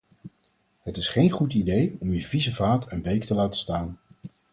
Het is geen goed idee om je vieze vaat een week te laten staan.